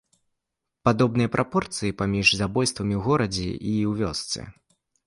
Падобная прапорцыя паміж забойствамі ў горадзе і ў вёсцы.